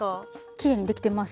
きれいにできてます。